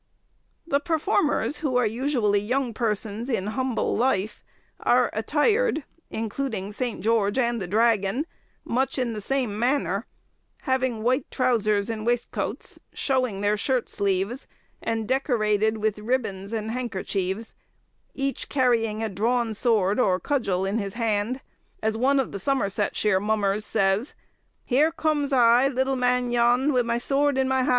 The performers, who are usually young persons in humble life, are attired, including St. George and the Dragon, much in the same manner, having white trousers and waistcoats, showing their shirt sleeves, and decorated with ribbons and handkerchiefs; each carrying a drawn sword or cudgel in his hand: as one of the Somersetshire mummers says, "Here comes I liddle man Jan wi' my sword in my han!"